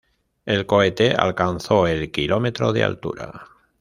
El cohete alcanzó el kilómetro de altura.